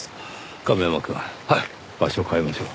亀山くん場所を変えましょう。